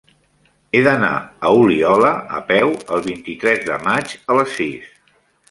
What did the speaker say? He d'anar a Oliola a peu el vint-i-tres de maig a les sis.